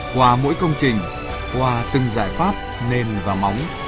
qua mỗi công trình qua từng giải pháp nền và móng